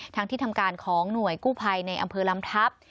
ที่ทำการของหน่วยกู้ภัยในอำเภอลำทัพ